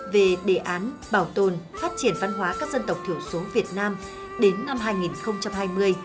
về đề án bảo tồn phát triển văn hóa các dân tộc thiểu số việt nam đến năm hai nghìn hai mươi